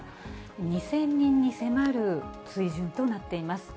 ２０００人に迫る水準となっています。